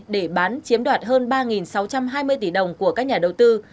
để bán chiếm đoạt hơn ba sáu trăm hai mươi tỷ đồng của các nhà đầu tư